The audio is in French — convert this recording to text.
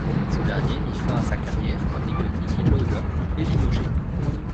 Ce dernier met fin à sa carrière tandis que Niki Lauda est limogé.